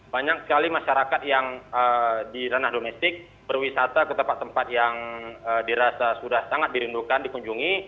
banyak sekali masyarakat yang di ranah domestik berwisata ke tempat tempat yang dirasa sudah sangat dirindukan dikunjungi